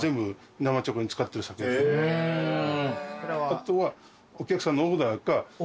あとは。